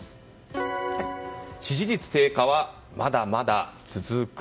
支持率低下はまだまだ続く！？